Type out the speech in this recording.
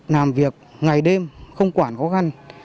làm việc ngày đêm không quản có găn